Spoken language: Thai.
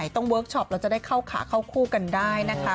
เวิร์คชอปเราจะได้เข้าขาเข้าคู่กันได้นะคะ